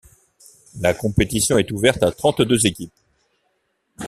La compétition est ouverte à trente-deux équipes.